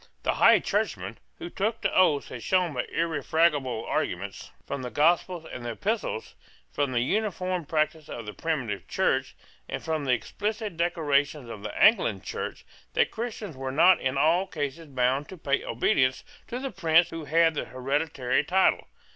The High Churchman who took the oaths had shown by irrefragable arguments from the Gospels and the Epistles, from the uniform practice of the primitive Church, and from the explicit declarations of the Anglican Church, that Christians were not in all cases bound to pay obedience to the prince who had the hereditary title.